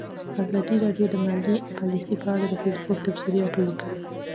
ازادي راډیو د مالي پالیسي په اړه د فیسبوک تبصرې راټولې کړي.